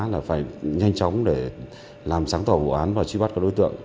là phải nhanh chóng để làm sáng tỏ vụ án và truy bắt các đối tượng